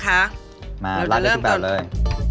แล้วเราจะเริ่มกัน